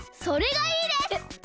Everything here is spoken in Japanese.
それがいいです！